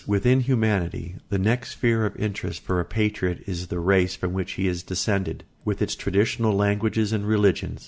Within humanity the next sphere of interest for a patriot is the race from which he is descended, with its traditional languages and religions.